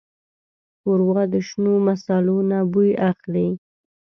ښوروا د شنو مصالو نه بوی اخلي.